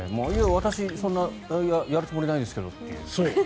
私、そんなやるつもりないですけどっていう。